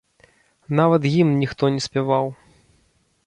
Нават гімн ніхто не спяваў.